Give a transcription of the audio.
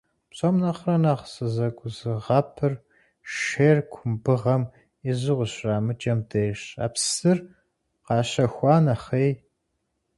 Псом нэхърэ нэхъ сызэгузыгъэпыр шейр кумбыгъэм изу къыщарамыкӏэм дежщ, псыр къащэхуа нэхъей.